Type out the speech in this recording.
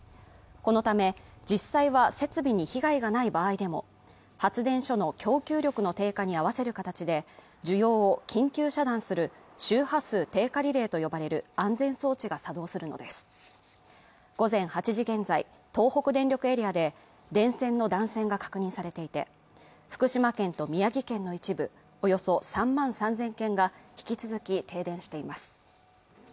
このため実際は設備に被害がない場合でも発電所の供給力の低下に合わせる形で需要を緊急遮断する周波数低下リレーと呼ばれる安全装置が作動するのです午前８時現在東北電力エリアで電線の断線が確認されていて福島県と宮城県の一部およそ３万３０００軒が引き続き停電しています